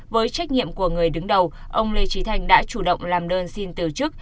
với trách nhiệm của người đứng đầu ông lê trí thành đã chủ động làm đơn xin từ chức